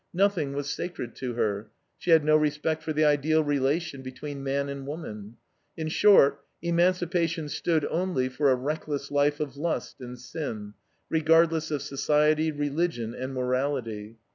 Nothing was sacred to her. She had no respect for the ideal relation between man and woman. In short, emancipation stood only for a reckless life of lust and sin; regardless of society, religion, and morality.